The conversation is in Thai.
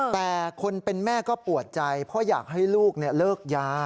แต่คนเป็นแม่ก็ปวดใจเพราะอยากให้ลูกเลิกยา